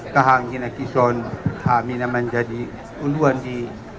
kehanginan kisah kami naman jadi uluan di